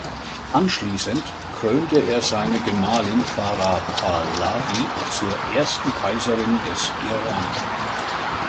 Anschließend krönte er seine Gemahlin Farah Pahlavi zur ersten Kaiserin des Iran.